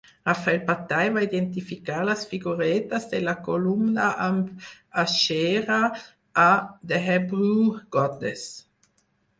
Raphael Patai va identificar les figuretes de la columna amb Asherah a "The Hebrew Goddess".